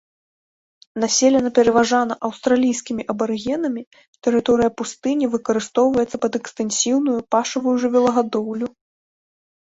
Населена пераважна аўстралійскімі абарыгенамі, тэрыторыя пустыні выкарыстоўваецца пад экстэнсіўную пашавую жывёлагадоўлю.